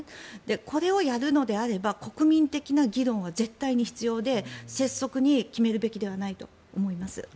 これをやるのであれば国民的な議論は絶対に必要で拙速に決めるべきではないと思います。